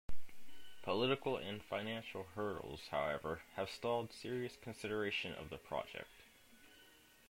Political and financial hurdles, however, have stalled serious consideration of the project.